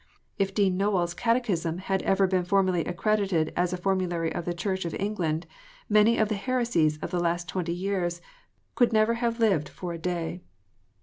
If Dean Lowell s Catechism had ever been formally accredited as a formulary of the Church of England, many of the heresies of the last twenty years could never have lived for a day.